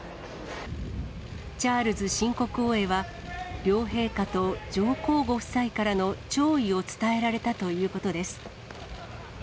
チャールズ新国王へは、両陛下と上皇ご夫妻からの弔意を伝えられたということです。